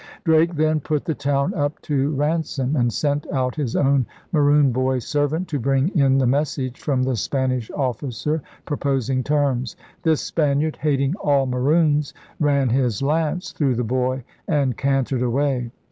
Drake then put the town up to ran som and sent out his own Maroon boy servant to bring in the message from the Spanish oflScer pro posing terms. This Spaniard, hating all Maroons, ran his lance through the boy and cantered away.